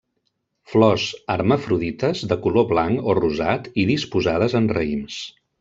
Flors hermafrodites de color blanc o rosat i disposades en raïms.